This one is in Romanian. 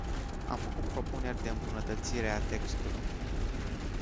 Am făcut propuneri de îmbunătățire a textului.